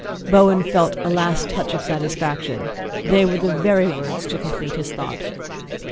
Bowen felt a last touch of satisfaction: they were the very words to complete his thought.